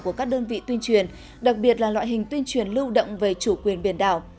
của các đơn vị tuyên truyền đặc biệt là loại hình tuyên truyền lưu động về chủ quyền biển đảo